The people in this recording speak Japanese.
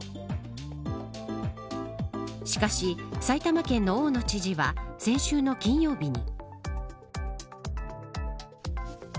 しかし、埼玉県の大野知事は先週の金曜日に。